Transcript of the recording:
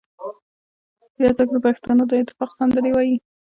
بيا څوک د پښتنو د اتفاق سندرې وايي